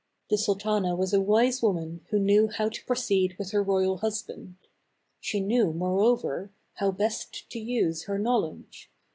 The sultana was a wise woman who knew how to proceed with her royal husband; she knew, moreover, how best to use her knowledge.